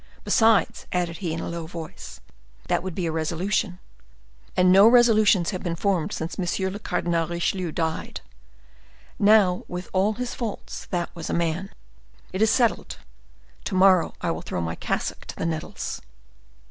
Besides," added he, in a low voice, "that would be a resolution, and no resolutions have been formed since Monsieur le Cardinal Richelieu died. Now, with all his faults, that was a man! It is settled: to morrow I will throw my cassock to the nettles."